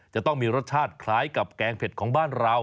จะต้องมีรสชาติคล้ายกับแกงเผ็ดของบ้านเรา